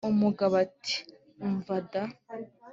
umugabo ati umva da!